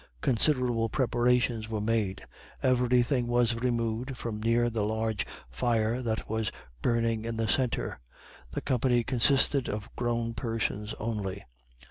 Considerable preparations were made. Every thing was removed from near the large fire that was burning in the centre. The company consisted of grown persons only.